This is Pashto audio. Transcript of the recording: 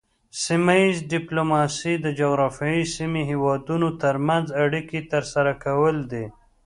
سیمه ایز ډیپلوماسي د جغرافیایي سیمې هیوادونو ترمنځ اړیکې ترسره کول دي